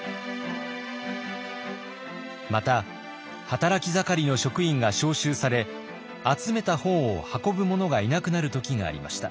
また働き盛りの職員が召集され集めた本を運ぶ者がいなくなる時がありました。